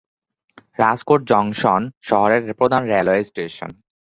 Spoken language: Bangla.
রাজকোট জংশন শহরের প্রধান রেলওয়ে স্টেশন।